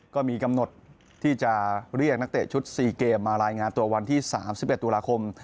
ก็มีกำหนดที่จะเรียกนักเตะชุด๔เกมมารายงานตัววันที่๓๑ตุลาคม